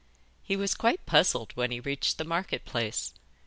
He was quite puzzled when he reached the market place.